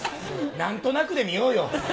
何となくで見ようよ。